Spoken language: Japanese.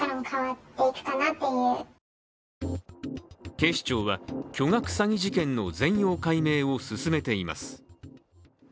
警視庁は巨額詐欺事件の全容解明を進めています。